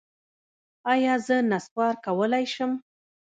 ایا زه نسوار کولی شم؟